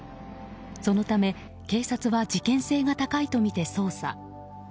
そのため警察は事件性が高いとみて捜査。